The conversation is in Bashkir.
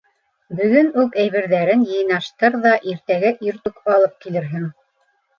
Бөгөн үк әйберҙәрен йыйнаштыр ҙа иртәгә иртүк алып килерһең.